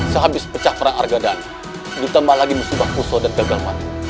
sehabis pecah perang argadana ditambah lagi musibah kuso dan gagal panen